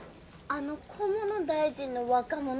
あの菰野大臣の若者